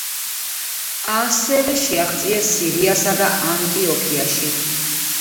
ასევე შეაღწიეს სირიასა და ანტიოქიაში.